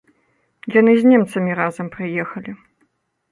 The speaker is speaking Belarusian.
Яны з немцамі разам прыехалі.